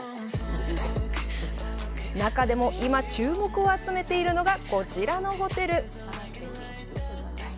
中でも今注目を集めているのがこちらのホテル。